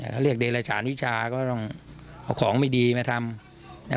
เขาเรียกเดรฐานวิชาก็ต้องเอาของไม่ดีมาทำ